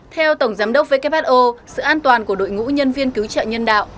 theo tổng giám đốc who sự an toàn của đội ngũ nhân viên cứu trợ nhân đạo